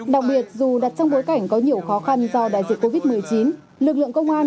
đặc biệt dù đặt trong bối cảnh có nhiều khó khăn do đại dịch covid một mươi chín lực lượng công an